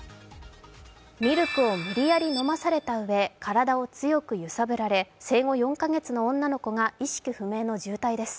ミルクを無理やり飲まされたうえ、体を強く揺さぶられ生後４か月の女の子が意識不明の重体です。